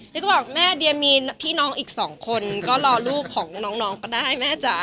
แล้วก็บอกแม่เดียมีพี่น้องอีก๒คนก็รอลูกของน้องก็ได้แม่จ๋า